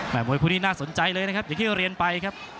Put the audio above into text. มวยคู่นี้น่าสนใจเลยนะครับอย่างที่เรียนไปครับ